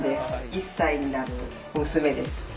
１歳になる娘です。